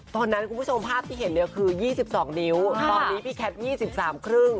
ตอนนั้นคุณผู้ชมภาพที่เห็นเลยคือยี่สิบสองนิ้วตอนนี้พี่แค้นยี่สิบสามครึ่ง